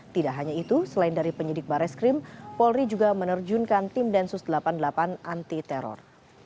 tidak hanya itu selain dari penyidik bareskrim polri juga menerjunkan tim densus delapan puluh delapan anti teror